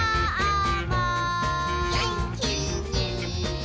「げんきに」